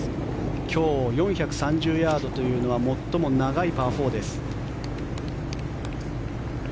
今日４３０ヤードというのは最も長いパー４です。